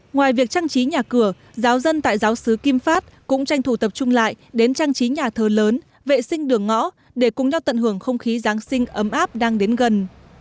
ngoài việc trang trí nhà cửa giáo dân tại giáo sứ kim phát cũng tranh thủ tập trung lại đến trang trí nhà thờ lớn vệ sinh đường ngõ để cùng nhau tận hưởng không khí giáng sinh ấm áp đang đến gần